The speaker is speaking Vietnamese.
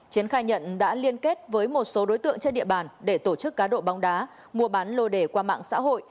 chiến khai nhận đã liên kết với một số đối tượng trên địa bàn để tổ chức cá độ bóng đá mua bán lô đề qua mạng xã hội